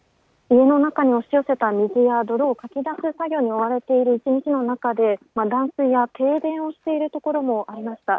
家の中に押し寄せた水や泥をかき出す作業に追われている１日の中で断水や停電をしているところもありました。